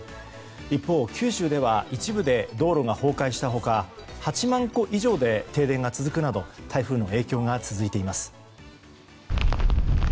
一方、九州では一部で道路が崩壊した他８万戸以上で停電が続くなど台風の影響が続いています。